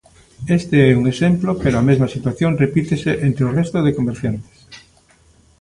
Este é un exemplo pero a mesma situación repítese entre o resto de comerciantes.